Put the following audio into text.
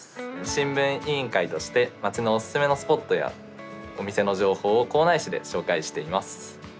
新聞委員会として街のおすすめのスポットやお店の情報を校内紙で紹介しています。